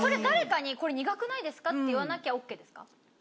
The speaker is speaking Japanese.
誰かに「これ苦くないですか？」って言わなきゃＯＫですか？